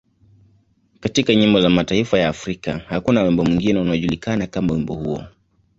Katika nyimbo za mataifa ya Afrika, hakuna wimbo mwingine unaojulikana kama wimbo huo.